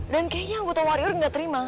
dan kayaknya anggota warior gak terima